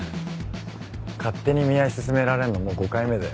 勝手に見合い勧められるのもう５回目だよ。